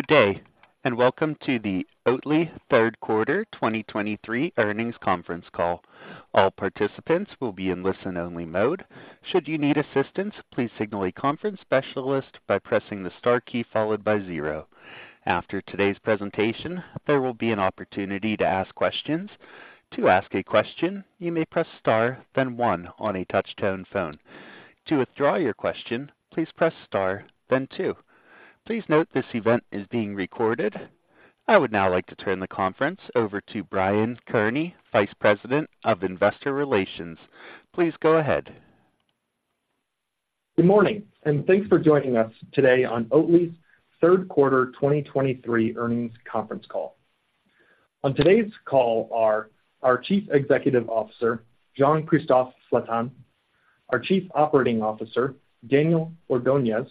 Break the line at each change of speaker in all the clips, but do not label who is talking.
Good day, and welcome to the Oatly Third Quarter 2023 Earnings Conference Call. All participants will be in listen-only mode. Should you need assistance, please signal a conference specialist by pressing the star key followed by zero. After today's presentation, there will be an opportunity to ask questions. To ask a question, you may press star, then one on a touchtone phone. To withdraw your question, please press star, then two. Please note this event is being recorded. I would now like to turn the conference over to Brian Kearney, Vice President of Investor Relations. Please go ahead.
Good morning, and thanks for joining us today on Oatly's third quarter 2023 earnings conference call. On today's call are our Chief Executive Officer, Jean-Christophe Flatin, our Chief Operating Officer, Daniel Ordoñez,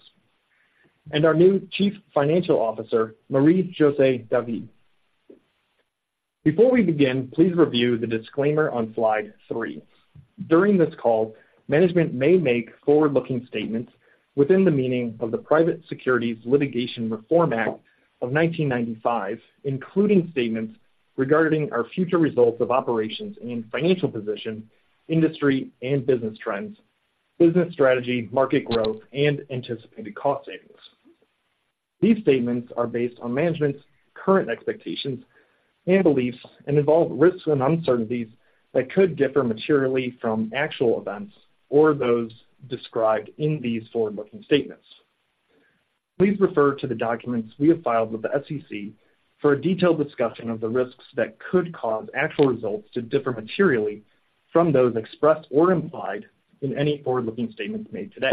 and our new Chief Financial Officer, Marie-José David. Before we begin, please review the disclaimer on slide three. During this call, management may make forward-looking statements within the meaning of the Private Securities Litigation Reform Act of 1995, including statements regarding our future results of operations and financial position, industry and business trends, business strategy, market growth, and anticipated cost savings. These statements are based on management's current expectations and beliefs and involve risks and uncertainties that could differ materially from actual events or those described in these forward-looking statements. Please refer to the documents we have filed with the SEC for a detailed discussion of the risks that could cause actual results to differ materially from those expressed or implied in any forward-looking statements made today.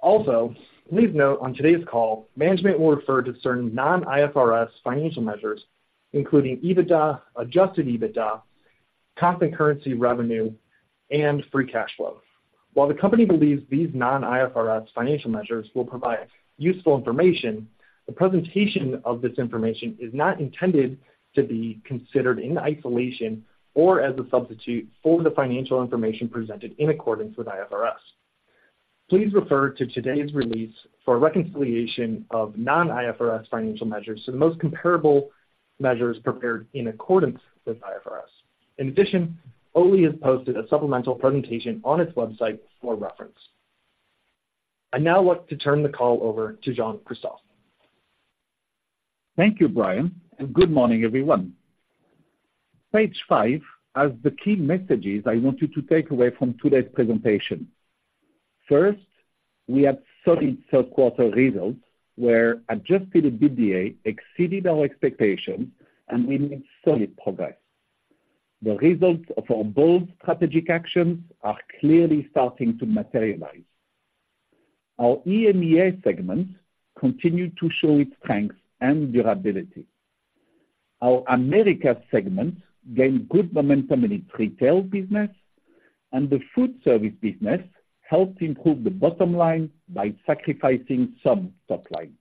Also, please note on today's call, management will refer to certain non-IFRS financial measures, including EBITDA, adjusted EBITDA, constant currency revenue, and free cash flow. While the company believes these non-IFRS financial measures will provide useful information, the presentation of this information is not intended to be considered in isolation or as a substitute for the financial information presented in accordance with IFRS. Please refer to today's release for a reconciliation of non-IFRS financial measures to the most comparable measures prepared in accordance with IFRS. In addition, Oatly has posted a supplemental presentation on its website for reference. I'd now like to turn the call over to Jean-Christophe.
Thank you, Brian, and good morning, everyone. Page five has the key messages I want you to take away from today's presentation. First, we have solid third quarter results, where Adjusted EBITDA exceeded our expectations, and we made solid progress. The results of our bold strategic actions are clearly starting to materialize. Our EMEA segment continued to show its strength and durability. Our Americas segment gained good momentum in its retail business, and the foodservice business helped improve the bottom line by sacrificing some top line.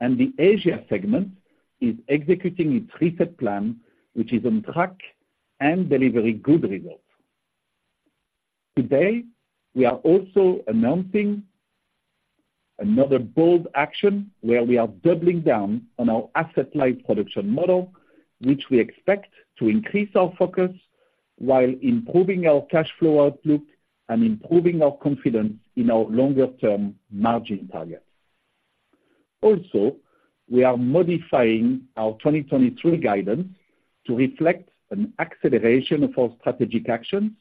The Asia segment is executing its reset plan, which is on track and delivering good results. Today, we are also announcing another bold action, where we are doubling down on our asset-light production model, which we expect to increase our focus while improving our cash flow outlook and improving our confidence in our longer-term margin targets. Also, we are modifying our 2023 guidance to reflect an acceleration of our strategic actions,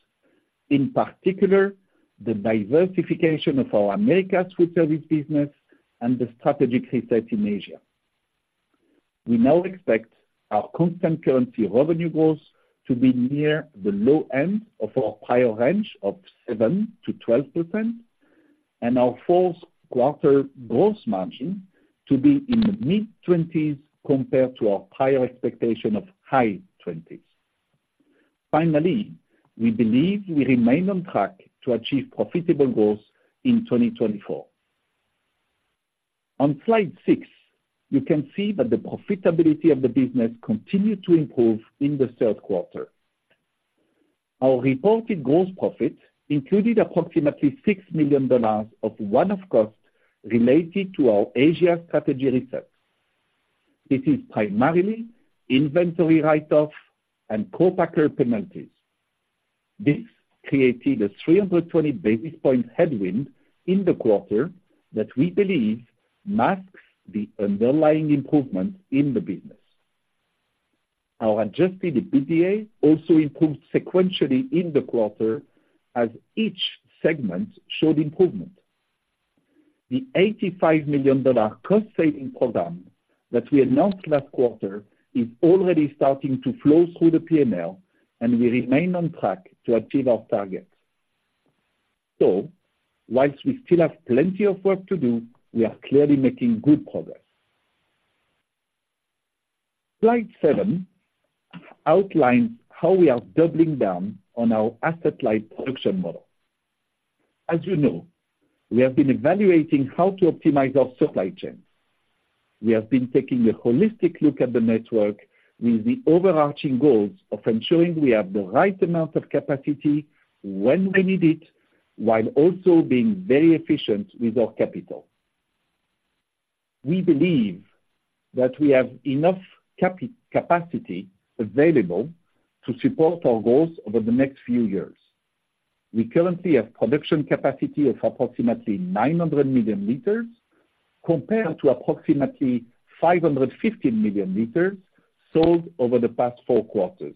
in particular, the diversification of our Americas food service business and the strategic reset in Asia. We now expect our constant currency revenue growth to be near the low end of our prior range of 7%-12% and our fourth quarter gross margin to be in the mid-20s, compared to our prior expectation of high 20s. Finally, we believe we remain on track to achieve profitable growth in 2024. On slide six, you can see that the profitability of the business continued to improve in the third quarter. Our reported gross profit included approximately $6 million of one-off costs related to our Asia strategic reset. This is primarily inventory write-off and co-packer penalties. This created a 320 basis point headwind in the quarter that we believe masks the underlying improvement in the business. Our adjusted EBITDA also improved sequentially in the quarter as each segment showed improvement. The $85 million cost-saving program that we announced last quarter is already starting to flow through the P&L, and we remain on track to achieve our targets. So while we still have plenty of work to do, we are clearly making good progress. Slide seven outlines how we are doubling down on our asset-light production model. As you know, we have been evaluating how to optimize our supply chain. We have been taking a holistic look at the network with the overarching goals of ensuring we have the right amount of capacity when we need it while also being very efficient with our capital. We believe that we have enough capacity available to support our goals over the next few years. We currently have production capacity of approximately 900 million liters, compared to approximately 550 million liters sold over the past four quarters.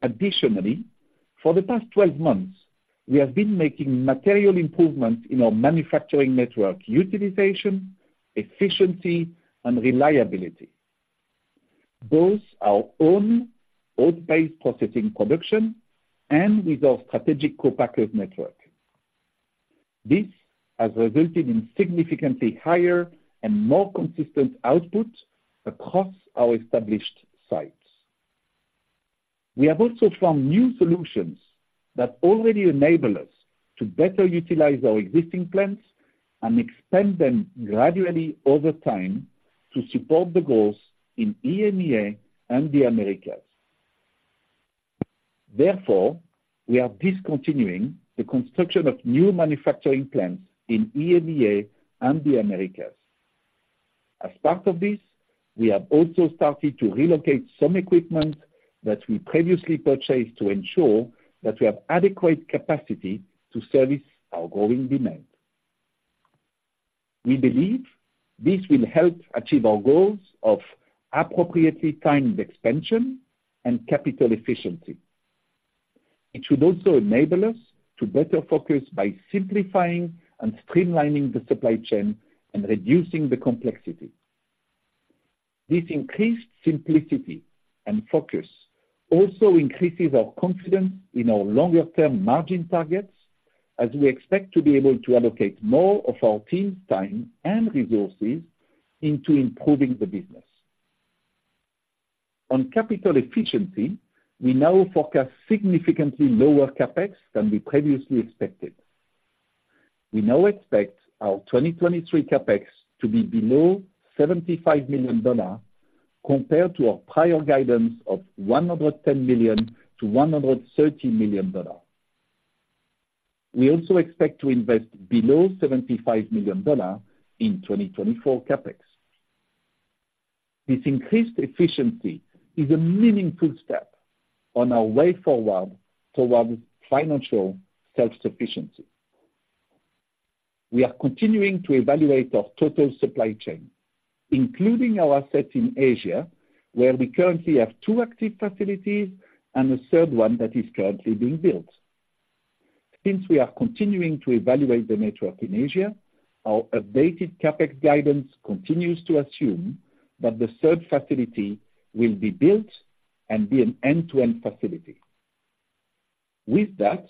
Additionally, for the past 12 months, we have been making material improvements in our manufacturing network utilization, efficiency, and reliability. Both our own oat-based processing production and with our strategic co-packer network. This has resulted in significantly higher and more consistent output across our established sites. We have also found new solutions that already enable us to better utilize our existing plants and expand them gradually over time to support the growth in EMEA and the Americas. Therefore, we are discontinuing the construction of new manufacturing plants in EMEA and the Americas. As part of this, we have also started to relocate some equipment that we previously purchased to ensure that we have adequate capacity to service our growing demand. We believe this will help achieve our goals of appropriately timed expansion and capital efficiency. It should also enable us to better focus by simplifying and streamlining the supply chain and reducing the complexity. This increased simplicity and focus also increases our confidence in our longer term margin targets, as we expect to be able to allocate more of our team's time and resources into improving the business. On capital efficiency, we now forecast significantly lower CapEx than we previously expected. We now expect our 2023 CapEx to be below $75 million, compared to our prior guidance of $110 million-$130 million. We also expect to invest below $75 million in 2024 CapEx. This increased efficiency is a meaningful step on our way forward towards financial self-sufficiency. We are continuing to evaluate our total supply chain, including our assets in Asia, where we currently have two active facilities and a third one that is currently being built. Since we are continuing to evaluate the network in Asia, our updated CapEx guidance continues to assume that the third facility will be built and be an end-to-end facility. With that,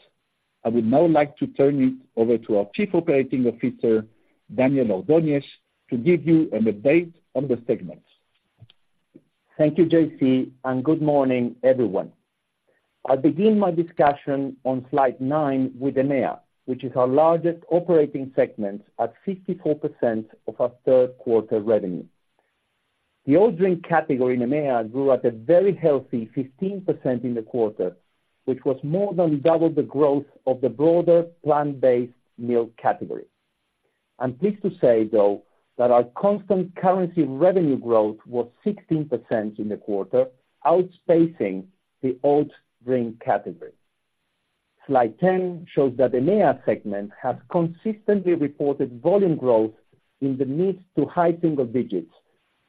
I would now like to turn it over to our Chief Operating Officer, Daniel Ordoñez, to give you an update on the segments.
Thank you, JC, and good morning, everyone. I'll begin my discussion on slide 9 with EMEA, which is our largest operating segment at 54% of our third quarter revenue. The oat drink category in EMEA grew at a very healthy 15% in the quarter, which was more than double the growth of the broader plant-based milk category. I'm pleased to say, though, that our constant currency revenue growth was 16% in the quarter, outpacing the oat drink category. Slide 10 shows that the EMEA segment has consistently reported volume growth in the mid- to high-single digits,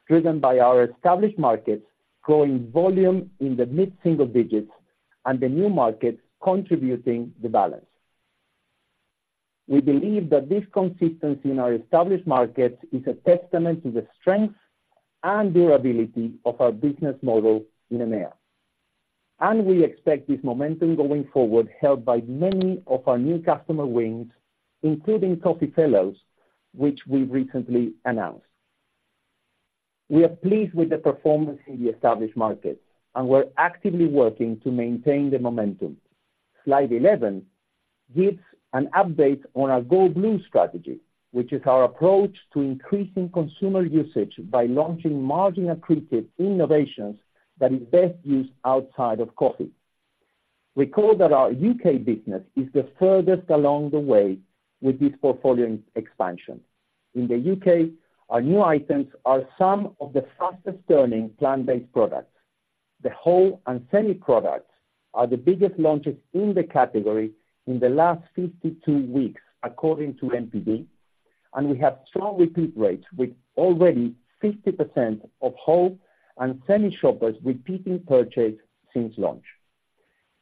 driven by our established markets, growing volume in the mid-single digits and the new markets contributing the balance. We believe that this consistency in our established markets is a testament to the strength and durability of our business model in EMEA.We expect this momentum going forward, helped by many of our new customer wins, including Coffee Fellows, which we recently announced. We are pleased with the performance in the established markets, and we're actively working to maintain the momentum. Slide 11 gives an update on our Go Blue strategy, which is our approach to increasing consumer usage by launching margin-accretive innovations that is best used outside of coffee. Recall that our U.K. business is the furthest along the way with this portfolio expansion. In the U.K., our new items are some of the fastest turning plant-based products. The whole and semi products are the biggest launches in the category in the last 52 weeks, according to NPD, and we have strong repeat rates, with already 50% of whole and semi shoppers repeating purchase since launch.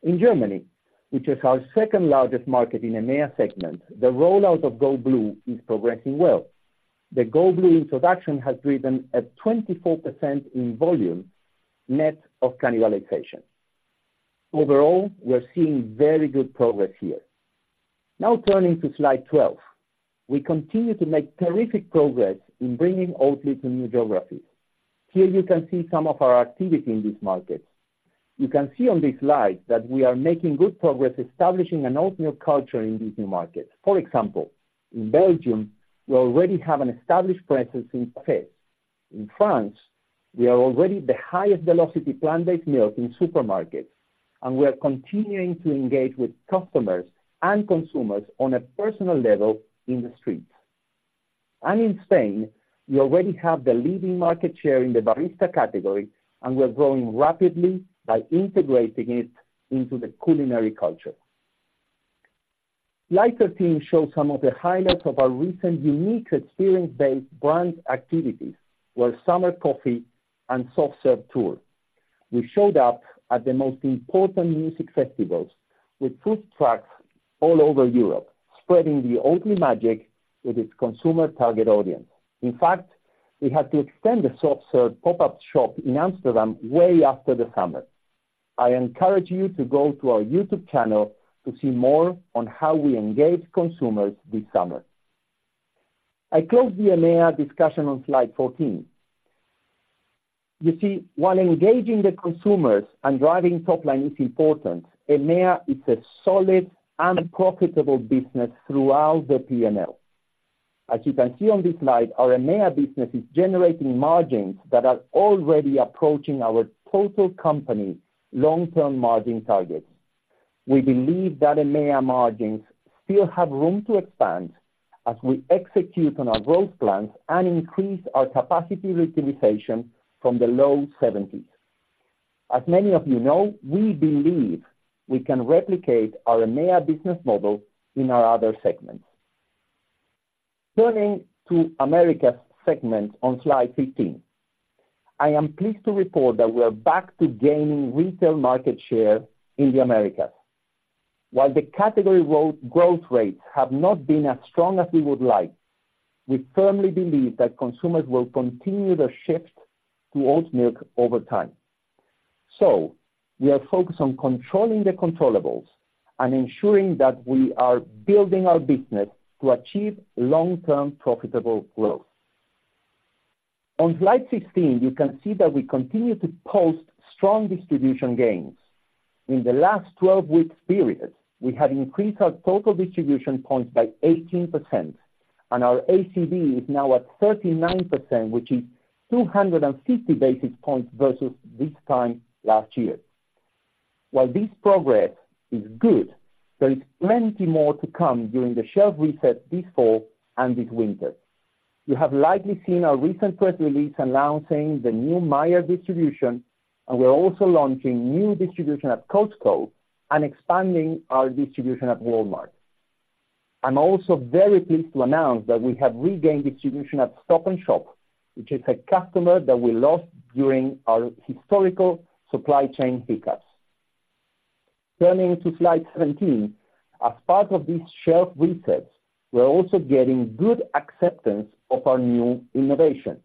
In Germany, which is our second largest market in EMEA segment, the rollout of Go Blue is progressing well. The Go Blue introduction has driven a 24% in volume, net of cannibalization. Overall, we're seeing very good progress here. Now turning to slide 12. We continue to make terrific progress in bringing Oatly to new geographies. Here you can see some of our activity in these markets. You can see on this slide that we are making good progress establishing an Oatly culture in these new markets. For example, in Belgium, we already have an established presence in cafés. In France, we are already the highest velocity plant-based milk in supermarkets, and we are continuing to engage with customers and consumers on a personal level in the street. In Spain, we already have the leading market share in the barista category, and we're growing rapidly by integrating it into the culinary culture. Slide 13 shows some of the highlights of our recent unique experience-based brand activities, where Summer Coffee and Soft Serve Tour. We showed up at the most important music festivals with food trucks all over Europe, spreading the Oatly magic with its consumer target audience. In fact, we had to extend the soft serve pop-up shop in Amsterdam way after the summer. I encourage you to go to our YouTube channel to see more on how we engage consumers this summer. I close the EMEA discussion on slide 14. You see, while engaging the consumers and driving top line is important, EMEA is a solid and profitable business throughout the P&L. As you can see on this slide, our EMEA business is generating margins that are already approaching our total company long-term margin targets. We believe that EMEA margins still have room to expand as we execute on our growth plans and increase our capacity utilization from the low 70s. As many of you know, we believe we can replicate our EMEA business model in our other segments. Turning to Americas segment on slide 15, I am pleased to report that we are back to gaining retail market share in the Americas. While the category growth rates have not been as strong as we would like, we firmly believe that consumers will continue their shift to oat milk over time. So we are focused on controlling the controllables and ensuring that we are building our business to achieve long-term profitable growth. On slide 16, you can see that we continue to post strong distribution gains. In the last 12 weeks period, we have increased our total distribution points by 18%, and our ACV is now at 39%, which is 250 basis points versus this time last year. While this progress is good, there is plenty more to come during the shelf reset this fall and this winter. You have likely seen our recent press release announcing the new Meijer distribution, and we're also launching new distribution at Costco and expanding our distribution at Walmart. I'm also very pleased to announce that we have regained distribution at Stop & Shop, which is a customer that we lost during our historical supply chain hiccups. Turning to slide 17, as part of this shelf resets, we're also getting good acceptance of our new innovation.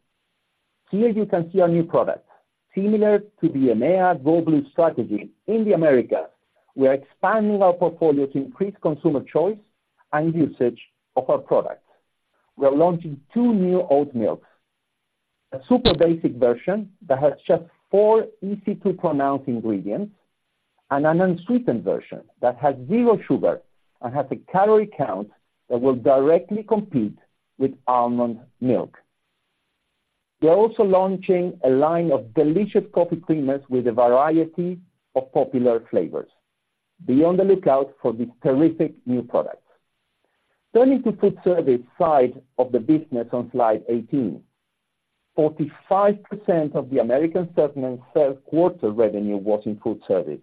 Here you can see our new product, similar to the EMEA Go Blue strategy. In the Americas, we are expanding our portfolio to increase consumer choice and usage of our products. We are launching two new oat milks, a super basic version that has just 4 easy-to-pronounce ingredients, and an unsweetened version that has 0 sugar and has a calorie count that will directly compete with almond milk. We're also launching a line of delicious coffee creamers with a variety of popular flavors. Be on the lookout for these terrific new products. Turning to food service side of the business on slide 18, 45% of the Americas segment third quarter revenue was in food service.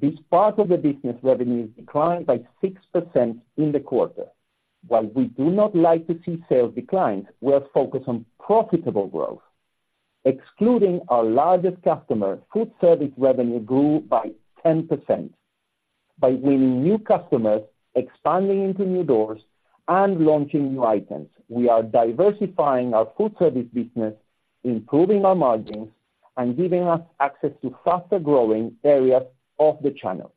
This part of the business revenue declined by 6% in the quarter. While we do not like to see sales declines, we are focused on profitable growth. Excluding our largest customer, food service revenue grew by 10%. By winning new customers, expanding into new doors, and launching new items, we are diversifying our food service business, improving our margins, and giving us access to faster growing areas of the channel.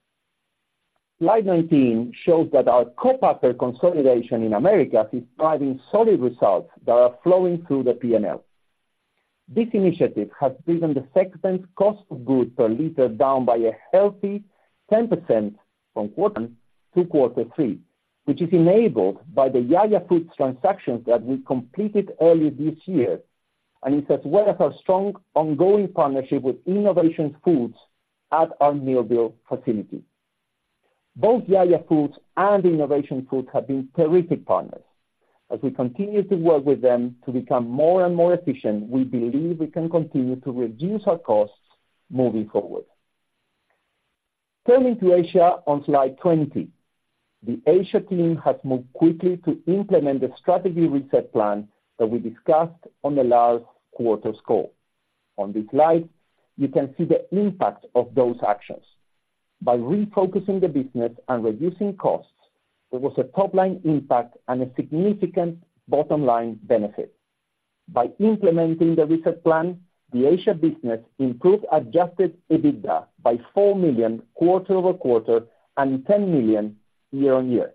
Slide 19 shows that our co-packer consolidation in Americas is driving solid results that are flowing through the P&L. This initiative has driven the segment's cost of goods per liter down by a healthy 10% from quarter one to quarter three, which is enabled by the YaYa Foods transactions that we completed early this year, and it's as well as our strong ongoing partnership with Innovation Foods at our Millville facility. Both YaYa Foods and Innovation Foods have been terrific partners. As we continue to work with them to become more and more efficient, we believe we can continue to reduce our costs moving forward. Turning to Asia on slide 20, the Asia team has moved quickly to implement the strategy reset plan that we discussed on the last quarter's call. On this slide, you can see the impact of those actions. By refocusing the business and reducing costs, there was a top-line impact and a significant bottom line benefit. By implementing the reset plan, the Asia business improved Adjusted EBITDA by $4 million quarter-over-quarter and $10 million year-on-year.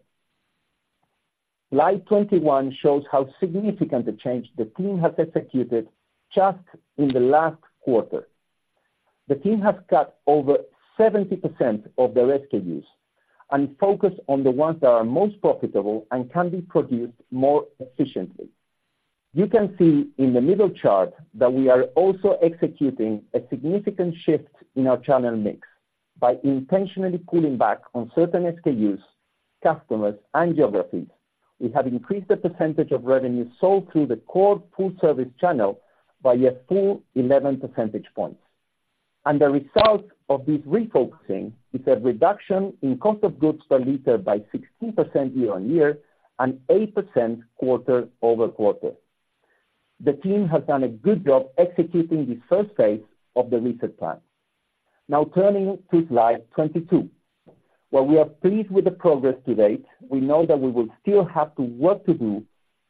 Slide 21 shows how significant the change the team has executed just in the last quarter. The team has cut over 70% of the SKUs and focused on the ones that are most profitable and can be produced more efficiently. You can see in the middle chart that we are also executing a significant shift in our channel mix by intentionally pulling back on certain SKUs, customers, and geographies. We have increased the percentage of revenue sold through the core food service channel by a full 11 percentage points. The result of this refocusing is a reduction in cost of goods per liter by 16% year-over-year and 8% quarter-over-quarter. The team has done a good job executing this first phase of the reset plan. Now turning to slide 22. While we are pleased with the progress to date, we know that we will still have to work to do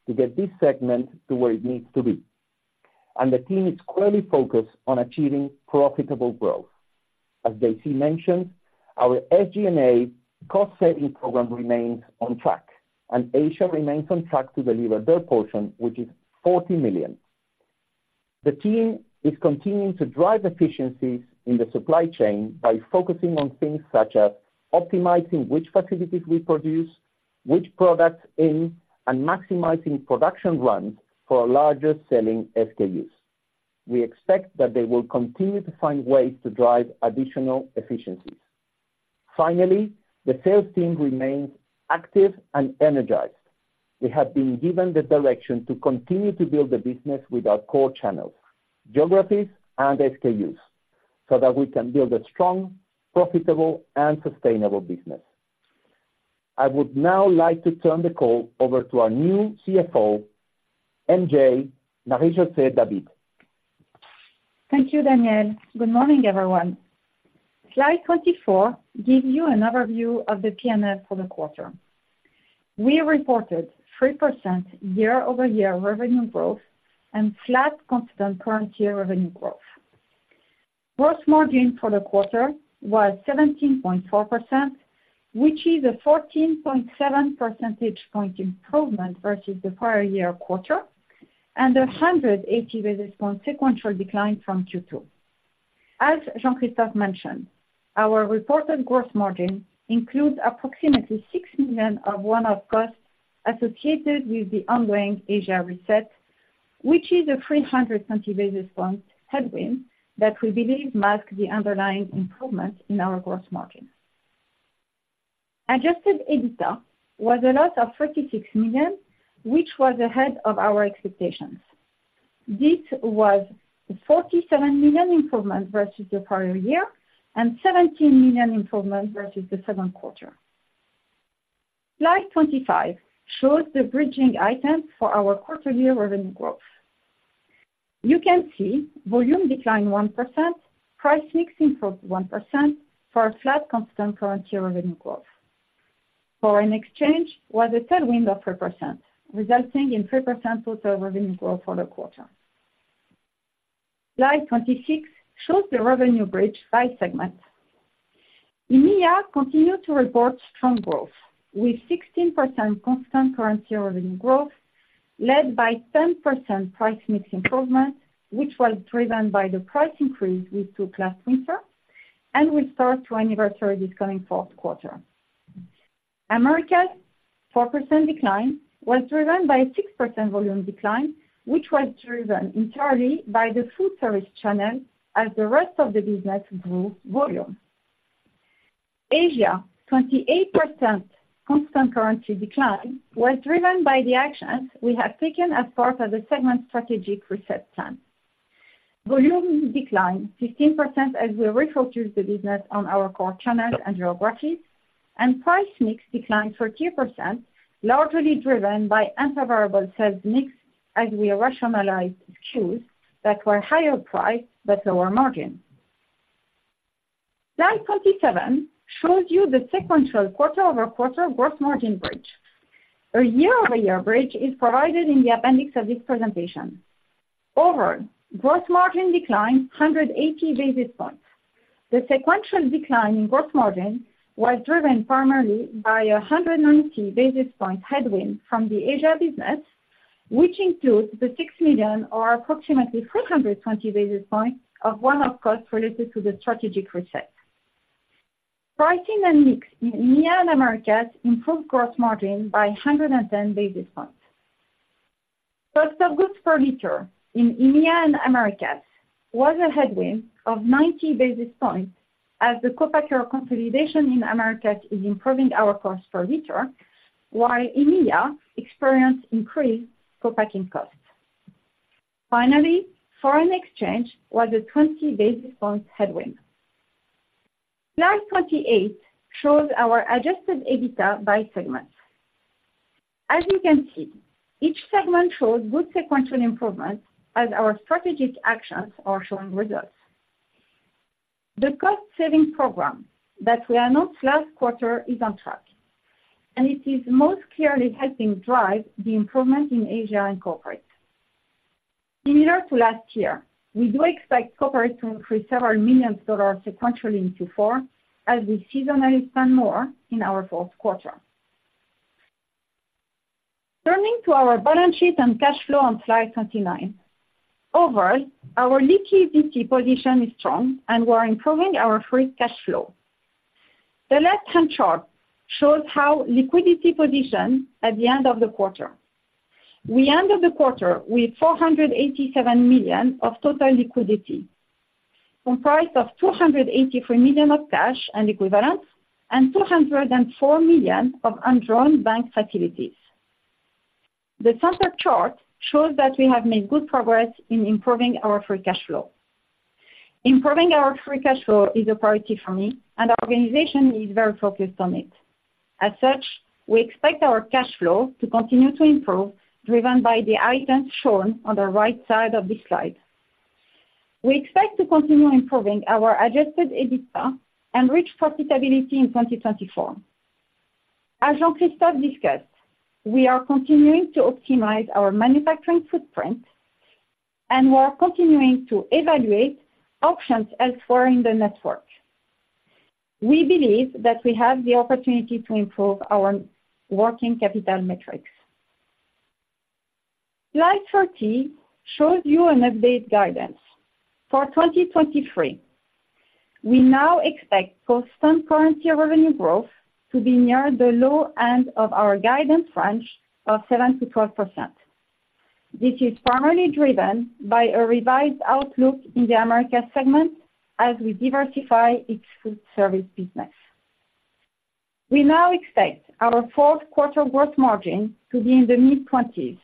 to get this segment to where it needs to be, and the team is clearly focused on achieving profitable growth. As J.C. mentioned, our SG&A cost-saving program remains on track, and Asia remains on track to deliver their portion, which is $40 million. The team is continuing to drive efficiencies in the supply chain by focusing on things such as optimizing which facilities we produce, which products in, and maximizing production runs for our larger selling SKUs. We expect that they will continue to find ways to drive additional efficiencies. Finally, the sales team remains active and energized. We have been given the direction to continue to build the business with our core channels, geographies, and SKUs, so that we can build a strong, profitable, and sustainable business. I would now like to turn the call over to our new CFO, M.J., Marie-José David.
Thank you, Daniel. Good morning, everyone. Slide 24 gives you an overview of the P&L for the quarter. We reported 3% year-over-year revenue growth and flat constant currency revenue growth. Gross margin for the quarter was 17.4%, which is a 14.7 percentage point improvement versus the prior year quarter and a 180 basis point sequential decline from Q2. As Jean-Christophe mentioned, our reported gross margin includes approximately $6 million of one-off costs associated with the ongoing Asia reset, which is a 320 basis point headwind that we believe masks the underlying improvement in our gross margin. Adjusted EBITDA was a loss of $36 million, which was ahead of our expectations. This was a $47 million improvement versus the prior year and $17 million improvement versus the second quarter. Slide 25 shows the bridging items for our quarterly revenue growth. You can see volume declined 1%, price mix in 1% for a flat constant currency revenue growth. Foreign exchange was a tailwind of 3%, resulting in 3% total revenue growth for the quarter. Slide 26 shows the revenue bridge by segment. EMEA continued to report strong growth, with 16% constant currency revenue growth, led by 10% price mix improvement, which was driven by the price increase we took last winter and will start to anniversary this coming fourth quarter. Americas, 4% decline was driven by a 6% volume decline, which was driven entirely by the food service channel as the rest of the business grew volume. Asia, 28% constant currency decline was driven by the actions we have taken as part of the segment strategic reset plan. Volume declined 15% as we refocused the business on our core channels and geographies, and price mix declined 13%, largely driven by unfavorable sales mix as we rationalized SKUs that were higher priced, but lower margin. Slide 27 shows you the sequential quarter-over-quarter gross margin bridge. A year-over-year bridge is provided in the appendix of this presentation. Overall, gross margin declined 180 basis points. The sequential decline in gross margin was driven primarily by a 190 basis point headwind from the Asia business, which includes the $6 million or approximately 320 basis points of one-off costs related to the strategic reset. Pricing and mix in EMEA and Americas improved gross margin by 110 basis points. Cost of goods per liter in EMEA and Americas was a headwind of 90 basis points, as the co-packer consolidation in Americas is improving our cost per liter, while EMEA experienced increased co-packing costs. Finally, foreign exchange was a 20 basis points headwind. Slide 28 shows our adjusted EBITDA by segment. As you can see, each segment shows good sequential improvement as our strategic actions are showing results. The cost-saving program that we announced last quarter is on track, and it is most clearly helping drive the improvement in Asia and corporate. Similar to last year, we do expect corporate to increase $several million sequentially in Q4 as we seasonally spend more in our fourth quarter. Turning to our balance sheet and cash flow on slide 29. Overall, our liquidity position is strong, and we are improving our free cash flow. The left-hand chart shows our liquidity position at the end of the quarter. We ended the quarter with $487 million of total liquidity, comprised of $283 million of cash and equivalents, and $204 million of undrawn bank facilities. The center chart shows that we have made good progress in improving our free cash flow. Improving our free cash flow is a priority for me, and our organization is very focused on it. As such, we expect our cash flow to continue to improve, driven by the items shown on the right side of this slide. We expect to continue improving our Adjusted EBITDA and reach profitability in 2024. As Jean-Christophe discussed, we are continuing to optimize our manufacturing footprint, and we are continuing to evaluate options elsewhere in the network. We believe that we have the opportunity to improve our working capital metrics. Slide 30 shows you an updated guidance. For 2023, we now expect constant currency revenue growth to be near the low end of our guidance range of 7%-12%. This is primarily driven by a revised outlook in the Americas segment as we diversify its food service business. We now expect our fourth quarter growth margin to be in the mid-20s.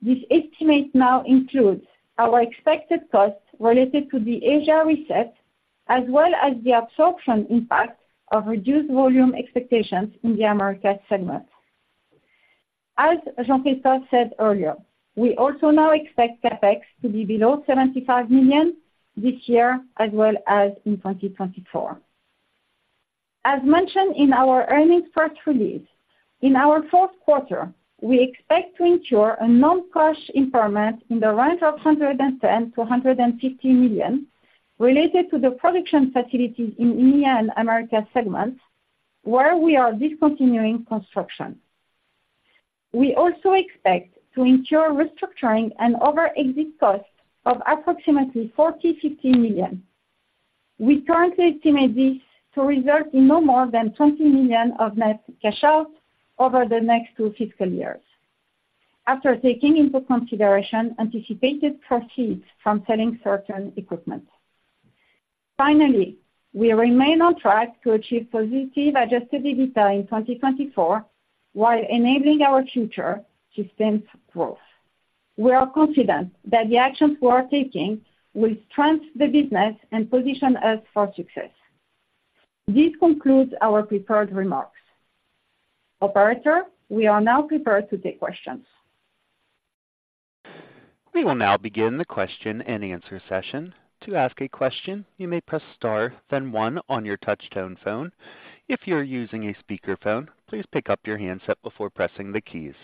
This estimate now includes our expected costs related to the Asia reset, as well as the absorption impact of reduced volume expectations in the Americas segment. As Jean-Christophe said earlier, we also now expect CapEx to be below $75 million this year, as well as in 2024. As mentioned in our earnings press release, in our fourth quarter, we expect to incur a non-cash impairment in the range of $110 million-$150 million, related to the production facilities in EMEA and Americas segments, where we are discontinuing construction. We also expect to incur restructuring and other exit costs of approximately $40-$50 million. We currently estimate this to result in no more than $20 million of net cash out over the next two fiscal years, after taking into consideration anticipated proceeds from selling certain equipment. Finally, we remain on track to achieve positive adjusted EBITDA in 2024, while enabling our future to sustain growth. We are confident that the actions we are taking will strengthen the business and position us for success. This concludes our prepared remarks. Operator, we are now prepared to take questions.
We will now begin the question and answer session. To ask a question, you may press star, then one on your touchtone phone. If you're using a speakerphone, please pick up your handset before pressing the keys.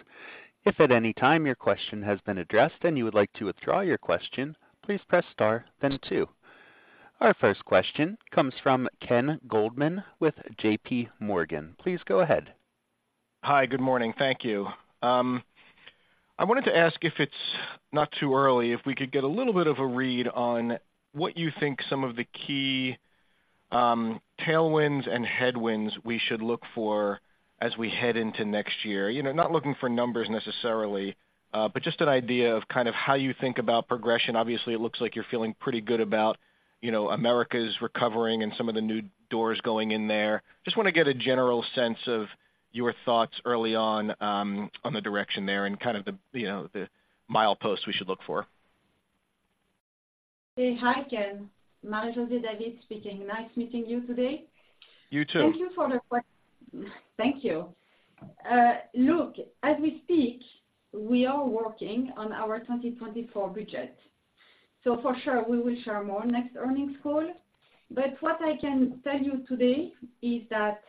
If at any time your question has been addressed and you would like to withdraw your question, please press star then two. Our first question comes from Ken Goldman with JPMorgan. Please go ahead.
Hi, good morning. Thank you. I wanted to ask if it's not too early, if we could get a little bit of a read on what you think some of the key, tailwinds and headwinds we should look for as we head into next year. You know, not looking for numbers necessarily, but just an idea of kind of how you think about progression. Obviously, it looks like you're feeling pretty good about, you know, Americas recovering and some of the new doors going in there. Just want to get a general sense of your thoughts early on, on the direction there and kind of the, you know, the mileposts we should look for.
Hi, Ken. Marie-José David speaking. Nice meeting you today.
You too.
Thank you. Thank you. Look, as we speak, we are working on our 2024 budget. So for sure, we will share more next earnings call. But what I can tell you today is that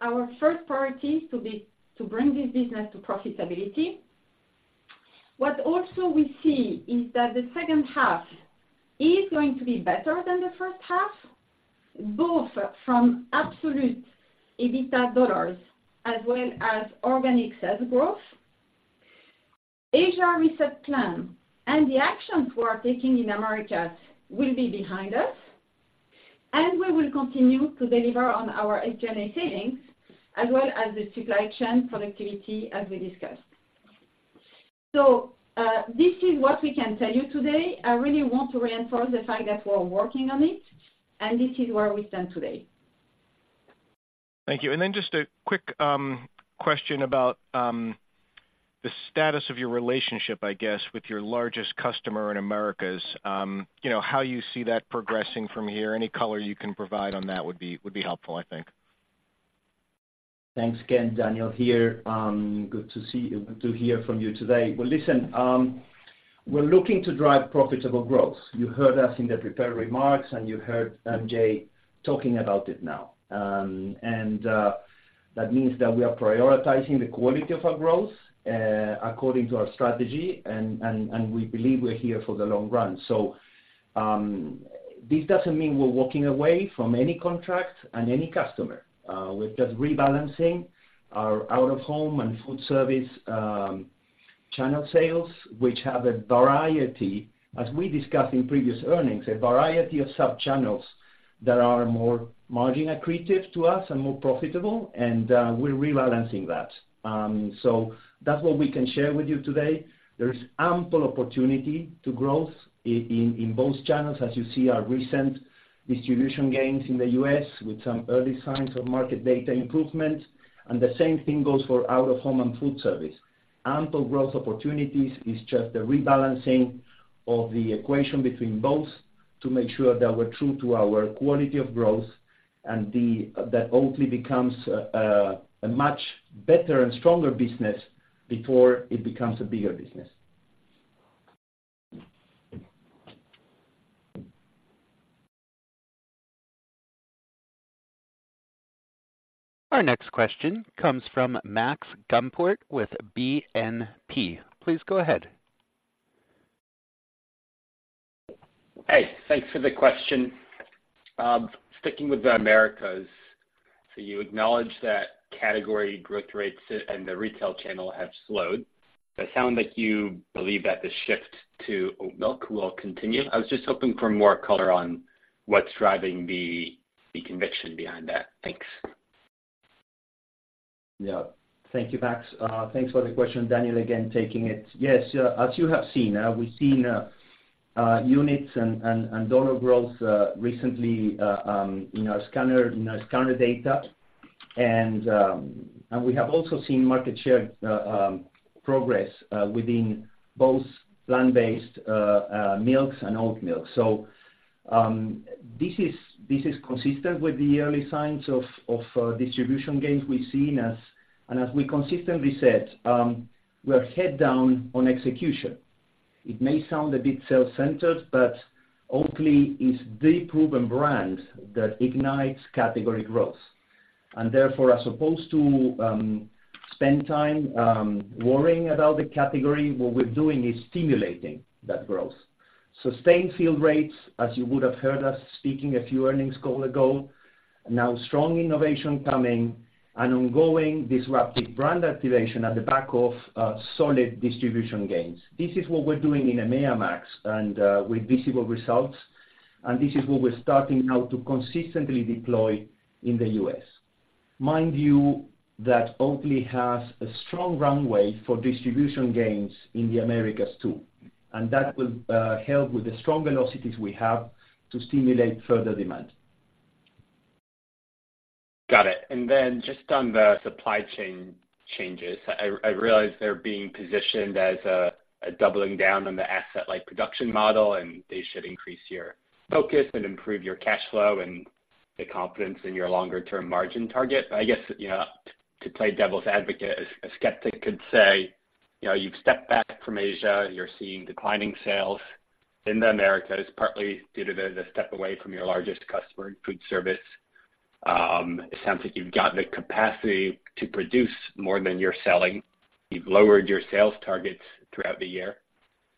our first priority is to bring this business to profitability. What also we see is that the second half is going to be better than the first half, both from absolute EBITDA dollars as well as organic sales growth. Asia reset plan and the actions we are taking in Americas will be behind us, and we will continue to deliver on our SG&A savings, as well as the supply chain productivity, as we discussed. So, this is what we can tell you today. I really want to reinforce the fact that we're working on it, and this is where we stand today.
Thank you. And then just a quick question about the status of your relationship, I guess, with your largest customer in Americas. You know, how you see that progressing from here? Any color you can provide on that would be, would be helpful, I think.
Thanks, Ken. Daniel here. Good to see you, good to hear from you today. Well, listen, we're looking to drive profitable growth. You heard us in the prepared remarks, and you heard MJ talking about it now. And that means that we are prioritizing the quality of our growth according to our strategy, and we believe we're here for the long run. So this doesn't mean we're walking away from any contract and any customer. We're just rebalancing our out-of-home and food service channel sales, which have a variety, as we discussed in previous earnings, a variety of sub-channels that are more margin accretive to us and more profitable, and we're rebalancing that. So that's what we can share with you today. There is ample opportunity to growth in both channels. As you see, our recent distribution gains in the U.S., with some early signs of market data improvement, and the same thing goes for out-of-home and food service. Ample growth opportunities is just a rebalancing of the equation between both to make sure that we're true to our quality of growth and that Oatly becomes a much better and stronger business before it becomes a bigger business.
Our next question comes from Max Gumport with BNP. Please go ahead.
Hey, thanks for the question. Sticking with the Americas, so you acknowledge that category growth rates and the retail channel have slowed, but it sound like you believe that the shift to oat milk will continue. I was just hoping for more color on what's driving the conviction behind that. Thanks.
Yeah, thank you, Max. Thanks for the question, Daniel, again, taking it. Yes, as you have seen, we've seen units and dollar growth recently in our scanner data. We have also seen market share progress within both plant-based milks and oat milk. So, this is consistent with the early signs of distribution gains we've seen, and as we consistently said, we're head down on execution. It may sound a bit self-centered, but Oatly is the proven brand that ignites category growth, and therefore, as opposed to spend time worrying about the category, what we're doing is stimulating that growth. Sustained fill rates, as you would have heard us speaking a few earnings calls ago, now strong innovation coming and ongoing disruptive brand activation at the back of solid distribution gains. This is what we're doing in EMEA, Max, and with visible results, and this is what we're starting now to consistently deploy in the U.S. Mind you, that Oatly has a strong runway for distribution gains in the Americas, too, and that will help with the strong velocities we have to stimulate further demand.
Got it. And then just on the supply chain changes, I realize they're being positioned as a doubling down on the asset-light production model, and they should increase your focus and improve your cash flow and the confidence in your longer-term margin target. I guess, you know, to play devil's advocate, a skeptic could say, "You know, you've stepped back from Asia. You're seeing declining sales in the Americas, partly due to the step away from your largest customer in food service. It sounds like you've got the capacity to produce more than you're selling. You've lowered your sales targets throughout the year,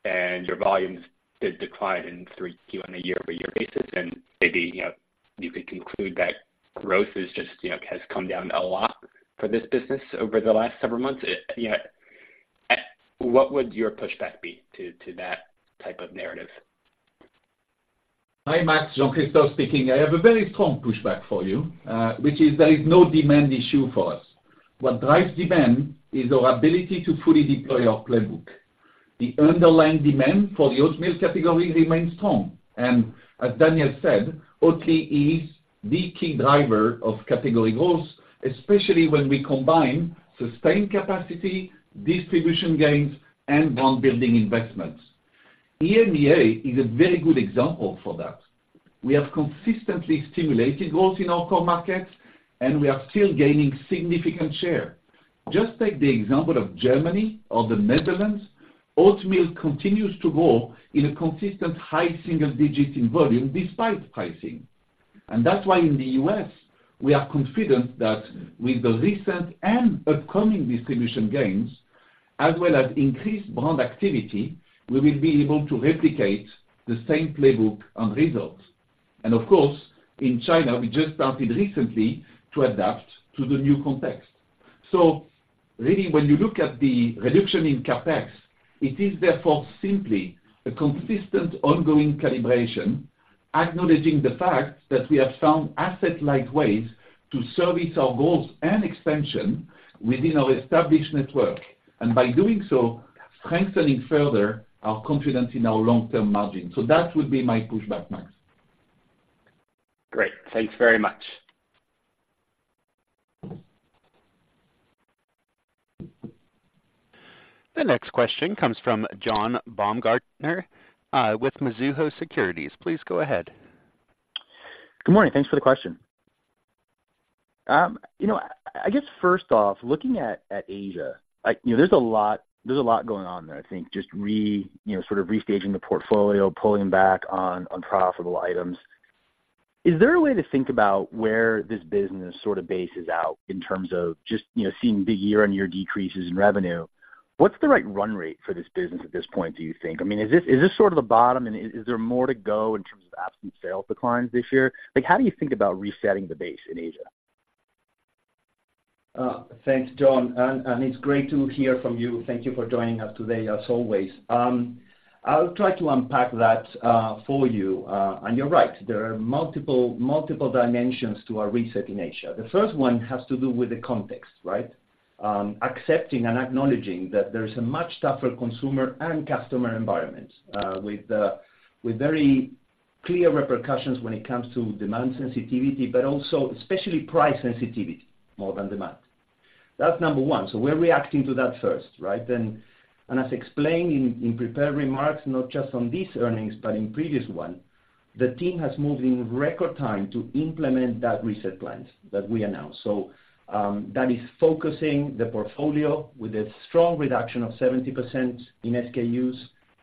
and your volumes did decline in Q3 on a year-over-year basis. And maybe, you know, you could conclude that growth is just, you know, has come down a lot for this business over the last several months. You know, what would your pushback be to that type of narrative?
Hi, Max, Jean-Christophe speaking. I have a very strong pushback for you, which is there is no demand issue for us. What drives demand is our ability to fully deploy our playbook. The underlying demand for the oat milk category remains strong, and as Daniel said, Oatly is the key driver of category growth, especially when we combine sustained capacity, distribution gains, and brand building investments. EMEA is a very good example for that. We have consistently stimulated growth in our core markets, and we are still gaining significant share. Just take the example of Germany or the Netherlands. Oat milk continues to grow in a consistent high single digits in volume, despite pricing. And that's why in the U.S., we are confident that with the recent and upcoming distribution gains, as well as increased brand activity, we will be able to replicate the same playbook on results. Of course, in China, we just started recently to adapt to the new context. So really, when you look at the reduction in CapEx, it is therefore simply a consistent, ongoing calibration, acknowledging the fact that we have found asset-light ways to service our goals and expansion within our established network, and by doing so, strengthening further our confidence in our long-term margin. So that would be my pushback, Max.
Great. Thanks very much.
The next question comes from John Baumgartner with Mizuho Securities. Please go ahead.
Good morning. Thanks for the question. You know, I guess, first off, looking at Asia, I... You know, there's a lot, there's a lot going on there, I think, just, you know, sort of restaging the portfolio, pulling back on profitable items.... Is there a way to think about where this business sort of bases out in terms of just, you know, seeing big year-on-year decreases in revenue? What's the right run rate for this business at this point, do you think? I mean, is this sort of the bottom, and is there more to go in terms of absolute sales declines this year? Like, how do you think about resetting the base in Asia?
Thanks, John, and it's great to hear from you. Thank you for joining us today, as always. I'll try to unpack that for you. And you're right, there are multiple dimensions to our reset in Asia. The first one has to do with the context, right? Accepting and acknowledging that there is a much tougher consumer and customer environment, with very clear repercussions when it comes to demand sensitivity, but also especially price sensitivity, more than demand. That's number one, so we're reacting to that first, right? As explained in prepared remarks, not just on these earnings, but in previous one, the team has moved in record time to implement that reset plans that we announced. So, that is focusing the portfolio with a strong reduction of 70% in SKUs,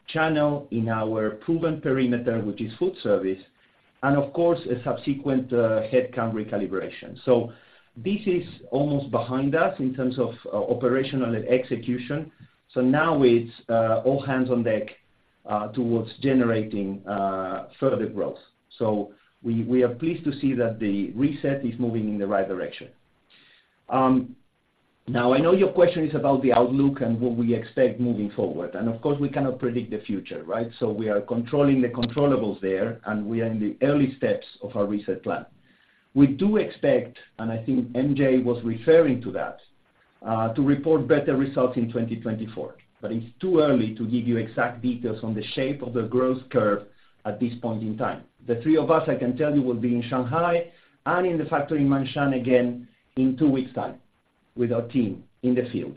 channel in our proven perimeter, which is food service, and of course, a subsequent, headcount recalibration. So this is almost behind us in terms of, operational and execution. So now it's, all hands on deck, towards generating, further growth. So we, we are pleased to see that the reset is moving in the right direction. Now, I know your question is about the outlook and what we expect moving forward. And of course, we cannot predict the future, right? So we are controlling the controllables there, and we are in the early steps of our reset plan. We do expect, and I think MJ was referring to that, to report better results in 2024, but it's too early to give you exact details on the shape of the growth curve at this point in time. The three of us, I can tell you, will be in Shanghai and in the factory in Ma'anshan again in two weeks' time with our team in the field.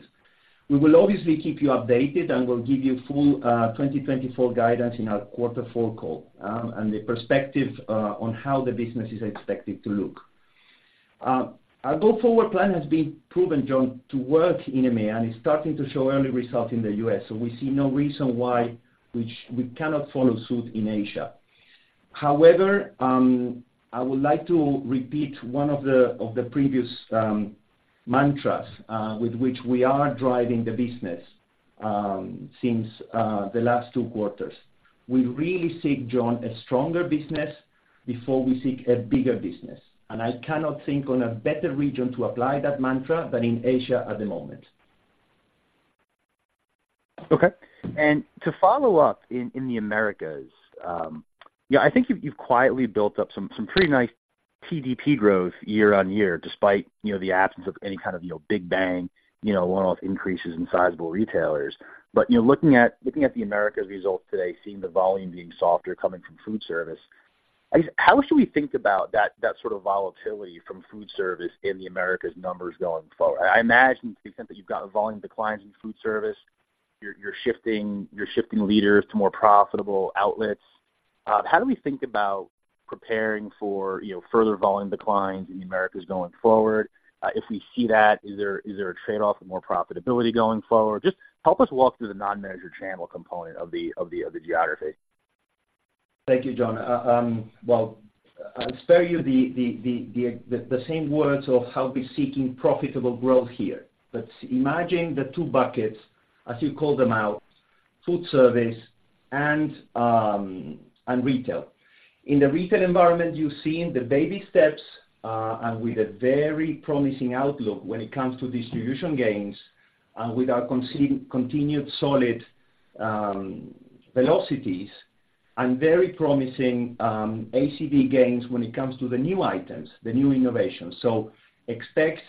We will obviously keep you updated, and we'll give you full, 2024 guidance in our quarter four call, and the perspective, on how the business is expected to look. Our go-forward plan has been proven, John, to work in EMEA, and it's starting to show early results in the U.S., so we see no reason why we cannot follow suit in Asia. However, I would like to repeat one of the previous mantras with which we are driving the business since the last two quarters. We really seek, John, a stronger business before we seek a bigger business, and I cannot think on a better region to apply that mantra than in Asia at the moment.
Okay. To follow up, in the Americas, yeah, I think you've quietly built up some pretty nice TDP growth year-over-year, despite, you know, the absence of any kind of, you know, big bang, you know, one-off increases in sizable retailers. Looking at the Americas results today, seeing the volume being softer coming from food service, how should we think about that sort of volatility from food service in the Americas numbers going forward? I imagine the extent that you've got a volume declines in food service, you're shifting leaders to more profitable outlets. How do we think about preparing for, you know, further volume declines in the Americas going forward? If we see that, is there a trade-off of more profitability going forward? Just help us walk through the non-measured channel component of the geography.
Thank you, John. Well, I'll spare you the same words of how we're seeking profitable growth here. But imagine the two buckets, as you call them, food service and retail. In the retail environment, you've seen the baby steps and with a very promising outlook when it comes to distribution gains and with our continued solid velocities and very promising ACV gains when it comes to the new items, the new innovations. So expect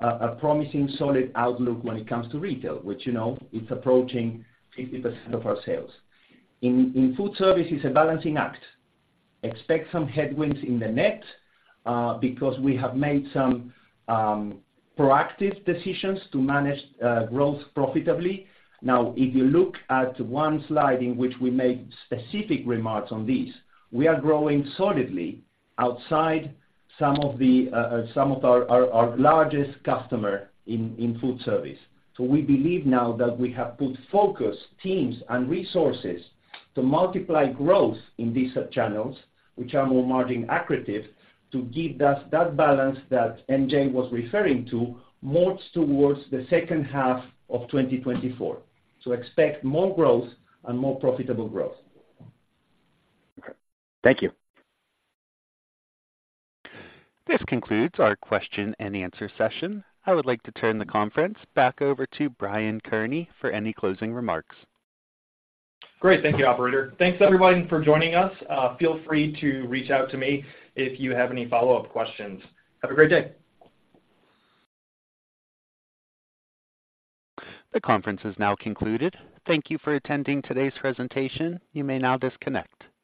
a promising, solid outlook when it comes to retail, which, you know, it's approaching 50% of our sales. In food service, it's a balancing act. Expect some headwinds in the net because we have made some proactive decisions to manage growth profitably. Now, if you look at one slide in which we made specific remarks on this, we are growing solidly outside some of our largest customer in food service. So we believe now that we have put focus, teams, and resources to multiply growth in these channels, which are more margin accretive, to give us that balance that MJ was referring to, more towards the second half of 2024. So expect more growth and more profitable growth.
Okay. Thank you.
This concludes our question and answer session. I would like to turn the conference back over to Brian Kearney for any closing remarks.
Great. Thank you, operator. Thanks, everybody, for joining us. Feel free to reach out to me if you have any follow-up questions. Have a great day.
The conference is now concluded. Thank you for attending today's presentation. You may now disconnect.